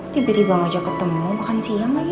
tiba tiba ngajak ketemu makan siang lagi